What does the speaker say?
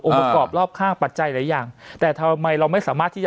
ประกอบรอบข้างปัจจัยหลายอย่างแต่ทำไมเราไม่สามารถที่จะ